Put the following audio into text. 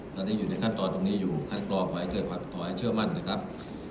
ตอนนี้อยู่ในขั้นตอนตรงนี้อยู่ขั้นกรอบขอให้เชื่อมั่นนะครับ